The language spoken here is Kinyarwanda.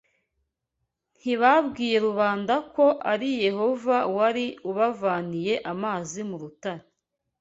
Ntibabwiye rubanda ko ari Yehova wari ubavaniye amazi mu rutare